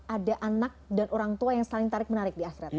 ada anak dan orang tua yang saling tarik menarik di akhirat